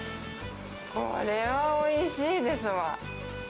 これはおいしいですわ。